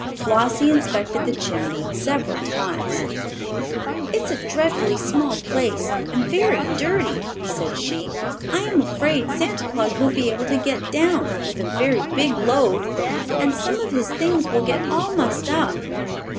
Flossie inspected the chimney several times. "It's a dreadfully small place and very dirty," said she. "I am afraid Santa Claus won't be able to get down with a very big load. And some of his things will get all mussed up."